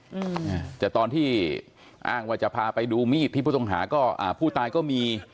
อืมอ่าแต่ตอนที่อ้างว่าจะพาไปดูมีดที่ผู้ต้องหาก็อ่าผู้ตายก็มี